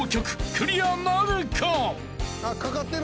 クリアなるか？］